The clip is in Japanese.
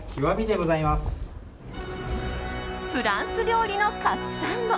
フランスの料理のカツサンド